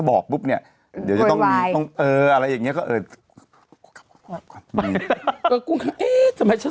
บอกปุ๊บเนี่ยเอออะไรอย่างนี้ก็กลับกันหรือชั้น